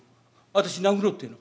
私殴ろうってぇの？